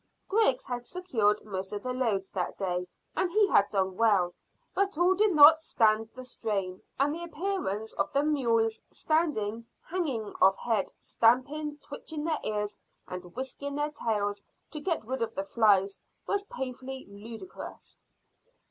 Griggs had secured most of the loads that day, and he had done well; but all did not stand the strain, and the appearance of the mules standing, hanging of head, stamping, twitching their ears and whisking their tails to get rid of the flies, was painfully ludicrous.